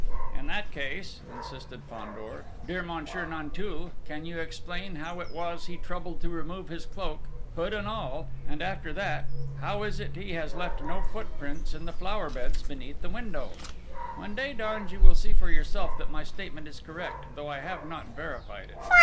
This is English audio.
"In that case," insisted Fandor, "dear Monsieur Nanteuil, can you explain how it was he troubled to remove his cloak, hood and all; and, after that, how is it he has left no footprints in the flower beds beneath the window? When day dawns you will see for yourself that my statement is correct, though I have not verified it!